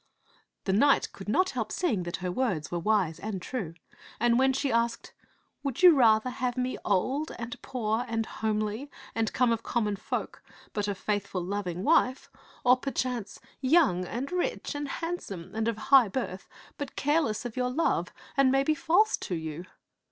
The knight could not help seeing that her words were wise and true, and when she asked, " Would you rather have me old and poor and homely and come of common folk, but a faithful, loving wife ; or. t^^ T)?ife of (gcii^'B t<xit 123 perchance, young and rich and handsome and of high birth, but careless of your love and maybe false to you?"